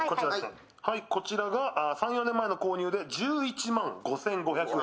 こちらが３４年前の購入で１１万５５００円。